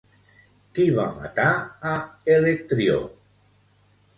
Qui va matar a Electrió?